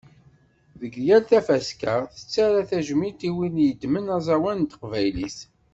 Deg yal tafaska, tettara tajmilt i win yeddmen aẓawan n teqbaylit.